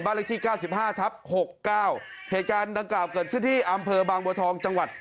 เลขที่เก้าสิบห้าทับหกเก้าเหตุการณ์ดังกล่าวเกิดขึ้นที่อำเภอบางบัวทองจังหวัด